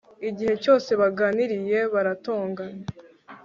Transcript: igihe cyose baganiriye, baratongana